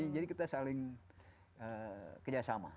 jadi kita saling kerjasama